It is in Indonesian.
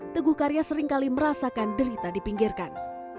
teguh karya seringkali merasakan derita dipinggirkan